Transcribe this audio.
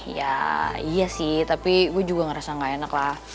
ya iya sih tapi gue juga ngerasa gak enak lah